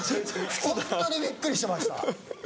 ホントにびっくりしてました。